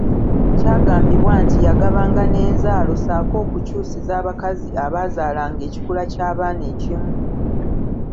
Kyagambibwanga nti yagabanga n'enzaalo ssaako okukyusiza abakazi abaazaalanga ekikula ky'abaana ekimu.